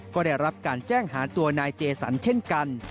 ก็ได้รับการแจ้งหาตัวนายเจสันเช่นกัน